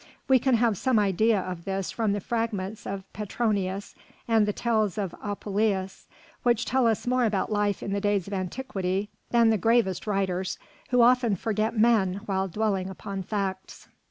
We can have some idea of this from the fragments of Petronius and the Tales of Apuleius, which tell us more about life in the days of antiquity than the gravest writers, who often forget men while dwelling upon facts.